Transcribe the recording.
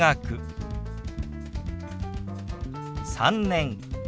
「３年」。